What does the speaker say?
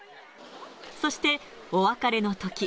そして、お別れのとき。